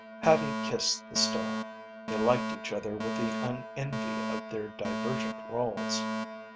Hattie kissed the star. They liked each other with the unenvy of their divergent roles.